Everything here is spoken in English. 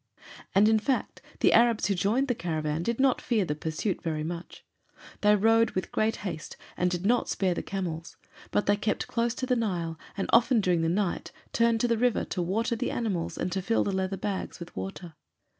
And in fact the Arabs who joined the caravan did not fear the pursuit very much. They rode with great haste and did not spare the camels, but they kept close to the Nile and often during the night turned to the river to water the animals and to fill the leather bags with water.